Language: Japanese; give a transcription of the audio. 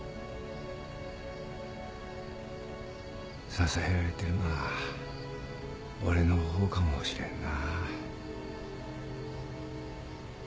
支えられているのは俺のほうかもしれんな。